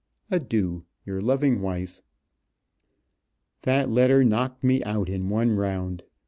Adieu. "Your loving wife." That letter knocked me out in one round.